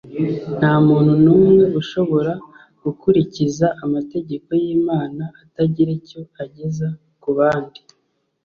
nta muntu n’umwe ushobora gukurikiza amategeko y’imana atagira icyo ageza ku bandi